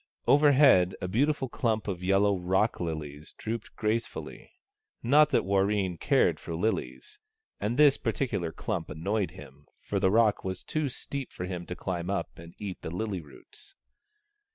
Overhead a beautiful clump of yellow rock lilies drooped grace fully. Not that Warreen cared for lilies ; and this particular clump annoyed him, for the rock was too steep for him to climb up and eat the lily roots.